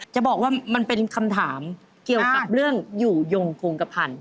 จะบอกว่ามันเป็นคำถามเกี่ยวกับเรื่องอยู่ยงโครงกระพันธ